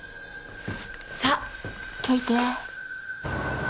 さ解いて。